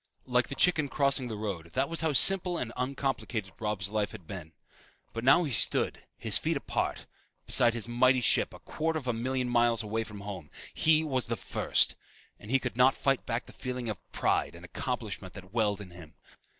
Like the chicken crossing the road, that was how simple and uncomplicated Robb's life had been. But now he stood, his feet spread apart, beside his mighty ship, a quarter of a million miles away from home. He was the first! And he could not fight back the feeling of pride and accomplishment that welled in him.